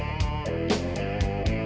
nah ini juga